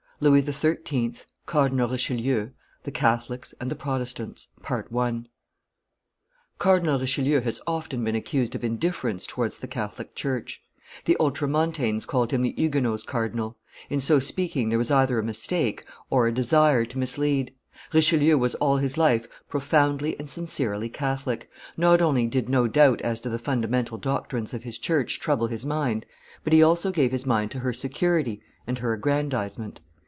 LOUIS XIII., CARDINAL RICHELIEU, THE CATHOLICS AND THE PROTESTANTS. Cardinal Richelieu has often been accused of indifference towards the Catholic church; the ultramontanes called him the Huguenots' cardinal; in so speaking there was either a mistake or a desire to mislead; Richelieu was all his life profoundly and sincerely Catholic; not only did no doubt as to the fundamental doctrines of his church trouble his mind, but he also gave his mind to her security and her aggrandizement.